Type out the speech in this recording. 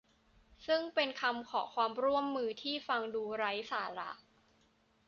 ซึ่งเป็นคำขอความร่วมมือที่ฟังดูไร้สาระ